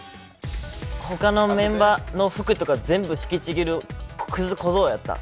他のメンバーの服とか全部引きちぎるクズ小僧やった。